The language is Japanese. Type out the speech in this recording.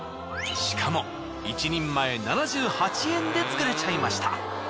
しかも１人前７８円で作れちゃいました。